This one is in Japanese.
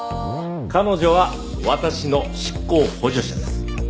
彼女は私の執行補助者です。